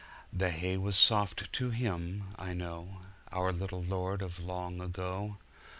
The hay was soft to Him, I know, Our little Lord of long ago.